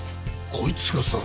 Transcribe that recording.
こいつがさ。